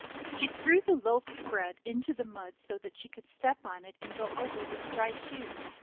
She threw the loaf of bread into the mud, so that she could step on it, and go over with dry shoes.